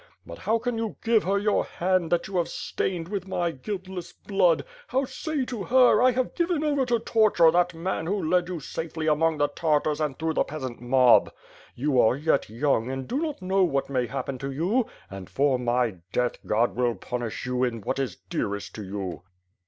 But how can you give her your hand that you have stained with my guilt less blood; how say to her, *I have given over to torture that man who led you safely among the Tartars and through the peasant mob. You are yet young and do not know what may happen to you; and, for my death, God will punish you in what is dearest to you."